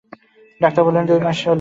Doctor বলেছে, দুই মাস হলো।